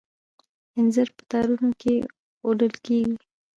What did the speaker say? انځر په تارونو کې اوډل کیږي.